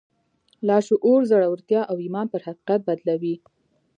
لاشعور زړورتيا او ايمان پر حقيقت بدلوي.